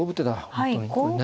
本当にこれね。